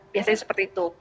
biasanya seperti itu